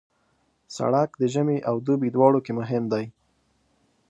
سړک د ژمي او دوبي دواړو کې مهم دی.